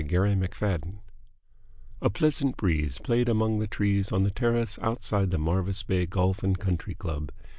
6 Ordeal By Golf A pleasant breeze played among the trees on the terrace outside the Marvis Bay Golf and Country Club.